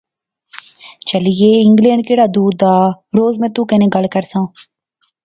چہلئے، انگلینڈ کیڑا دور دا روز میں تو کنے گل کرساں